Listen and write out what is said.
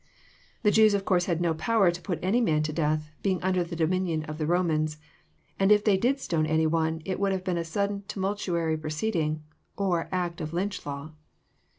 The Jews of course had no power to put any man to death, being under the dominion of the Romans, and if they did stone any one it would have been a sudden tumultuary proceeding, or act of Lync h law.